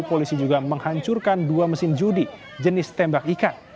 polisi juga menghancurkan dua mesin judi jenis tembak ikan